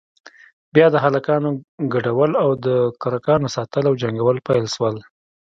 بيا د هلکانو گډول او د کرکانو ساتل او جنگول پيل سول.